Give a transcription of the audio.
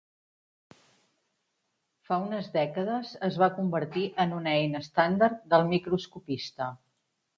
Fa unes dècades es va convertir una eina estàndard del microscopista.